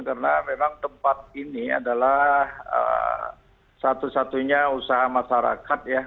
karena memang tempat ini adalah satu satunya usaha masyarakat ya